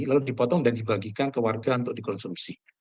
lalu dipotong dan dibagikan ke warga untuk dikonsumsi